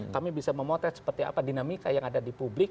kami bisa memotret seperti apa dinamika yang ada di publik